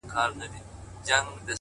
o څه راوړه، څه به يوسې٫